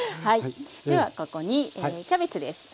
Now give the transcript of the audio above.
ではここにキャベツです。